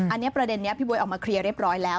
อันนี้ประเด็นนี้พี่บ๊วยออกมาเคลียร์เรียบร้อยแล้ว